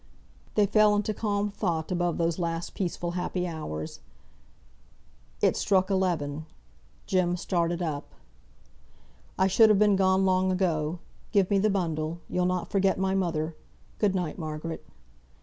They fell into calm thought about those last peaceful happy hours. It struck eleven. Jem started up. "I should have been gone long ago. Give me the bundle. You'll not forget my mother. Good night, Margaret."